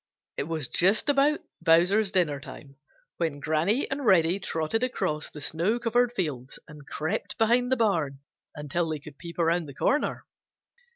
It was just about Bowser's dinner time when Granny and Reddy trotted across the snow covered fields and crept behind the barn until they could peep around the corner.